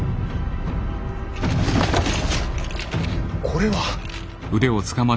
これは。